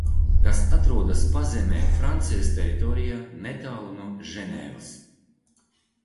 Tas atrodas pazemē Francijas teritorijā, netālu no Ženēvas.